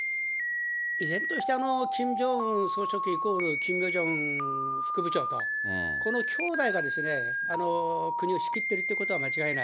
依然としてキム・ジョンウン総書記イコールキム・ヨジョン副部長と、このきょうだいが国を仕切ってるってことは間違いない。